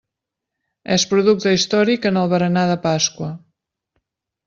És producte històric en el berenar de Pasqua.